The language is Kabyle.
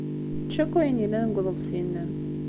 Ečč akk ayen yellan deg uḍebsi-nnem.